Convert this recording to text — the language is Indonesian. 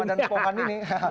yang paham ramadhan pohan ini